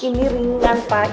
ini ringan pak